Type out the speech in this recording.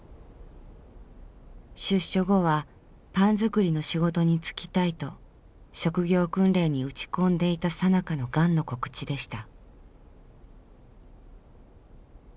出所後はパン作りの仕事に就きたいと職業訓練に打ち込んでいたさなかのがんの告知でした。